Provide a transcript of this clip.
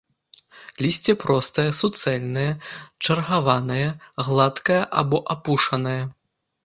Лісце простае, суцэльнае, чаргаванае, гладкае або апушанае.